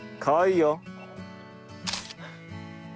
かわいいよ。